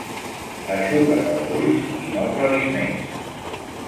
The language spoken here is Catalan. Eixuga't els ulls i no ploris més.